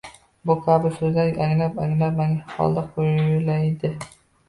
Bu kabi so‘zlarni anglab-anglamagan holda qo‘llaydi.